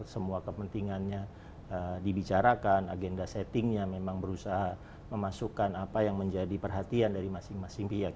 semua kepentingannya dibicarakan agenda settingnya memang berusaha memasukkan apa yang menjadi perhatian dari masing masing pihak